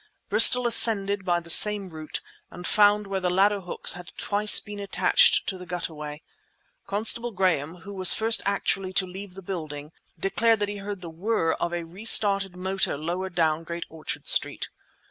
Bristol ascended by the same route, and found where the ladder hooks had twice been attached to the gutterway. Constable Graham, who was first actually to leave the building, declared that he heard the whirr of a re started motor lower down Great Orchard Street.